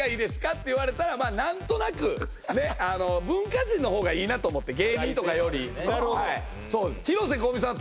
って言われたらまあなんとなくねっあの文化人の方がいいなと思って芸人とかよりなるほど広瀬香美さん